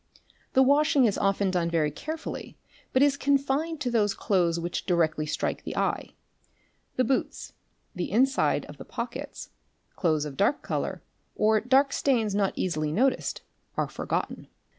The washing is often done very carefully but is confined to those clothes — which directly strike the eye; the boots, the inside of the pockets ®™,— clothes of dark colour, or dark stains not easily noticed, are forgotten.